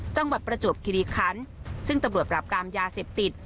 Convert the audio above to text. จังหวัดประจวบครีรีดีคัณฯซึ่งตรวจปราบกรามยาเสพติด